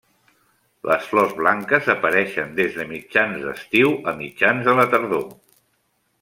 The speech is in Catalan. Les flors blanques apareixen des de mitjans d'estiu a mitjans de la tardor.